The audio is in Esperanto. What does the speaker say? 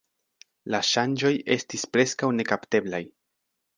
La ŝanĝoj estis preskaŭ nekapteblaj.